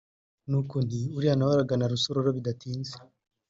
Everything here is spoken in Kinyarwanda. nuko nti uriya nawe aragana Rusororo bidatinze